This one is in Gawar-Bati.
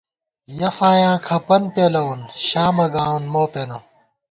یَہ فایاں کھپَن پېلَوون ،شامہ گاوون مو پېنہ